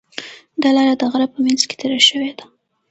دا لاره د غره په منځ کې تېره شوې ده.